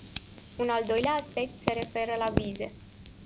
Un al doilea aspect se referă la vize.